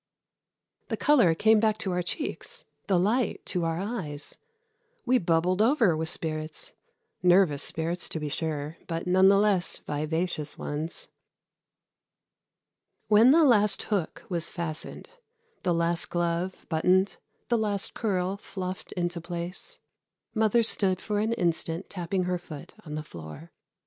The color came back to our cheeks, the light to our eyes. We bubbled over with spirits nervous spirits, to be sure, but none the less vivacious ones. When the last hook was fastened, the last glove buttoned, the last curl fluffed into place, mother stood for an instant tapping her foot on the floor.